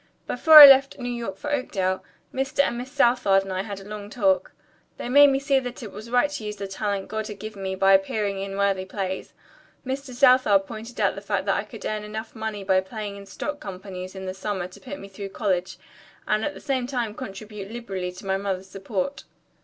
Before I left New York for Oakdale, Mr. and Miss Southard and I had a long talk. They made me see that it was right to use the talent God had given me by appearing in worthy plays. Mr. Southard pointed out the fact that I could earn enough money by playing in stock companies in the summer to put me through college and at the same time contribute liberally to my mother's support.